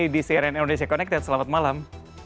di cnn indonesia connected selamat malam